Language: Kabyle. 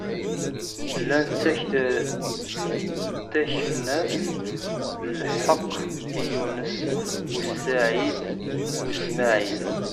Llan ttakfen-as lḥeqq i Yunes u Saɛid u Smaɛil.